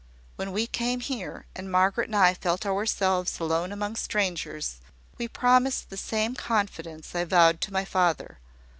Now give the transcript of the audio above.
When we came here, and Margaret and I felt ourselves alone among strangers, we promised the same confidence I vowed to my father.